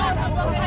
masih ada kecoh